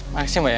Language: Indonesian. makasih mbak ya